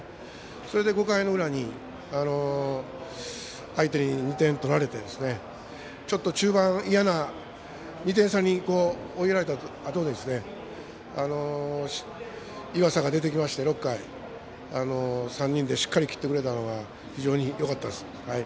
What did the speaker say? それで５回の裏に相手に２点取られてちょっと中盤、嫌な２点差に追い上げられたあとに岩佐が出てきまして、６回３人でしっかり切ってくれたのが非常によかったです。